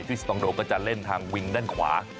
สตองโดก็จะเล่นทางวิงด้านขวา